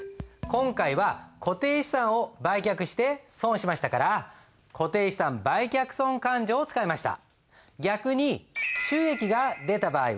今回は固定資産を売却して損しましたから固定資産売却損勘定を使いました。